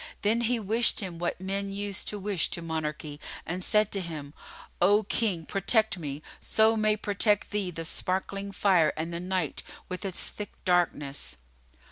Then he wished him what men use to wish to monarchy and said to him, "O King, protect me, so may protect thee the sparkling Fire and the Night with its thick darkness!"